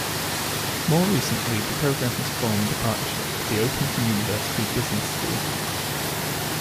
More recently the programme has formed a partnership with the Open University Business School.